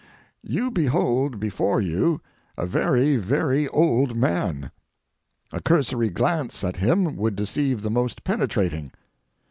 You behold before you a very, very old man. A cursory glance at him would deceive the most penetrating.